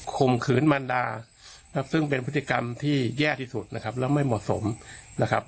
ข่มขืนมันดาซึ่งเป็นพฤติกรรมที่แย่ที่สุดนะครับแล้วไม่เหมาะสมนะครับ